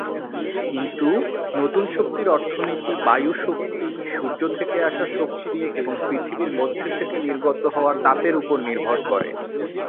কিন্তু, নতুন শক্তির অর্থনীতি বায়ু শক্তি, সূর্য থেকে আসা শক্তি এবং পৃথিবীর মধ্যে থেকে নির্গত হওয়া তাপের উপর নির্ভর করে।